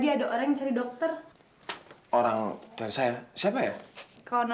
kalau yang rambut panjang ini namanya camilla